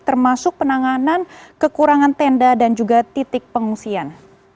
termasuk penanganan kekurangan tenda dan juga titik pengungsian